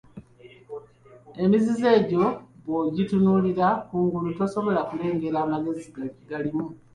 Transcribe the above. Emizizo egyo bw'ogitunulira kungulu tosobola kulengera magezi galimu.